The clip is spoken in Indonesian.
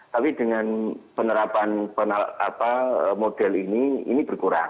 tapi dengan penerapan model ini ini berkurang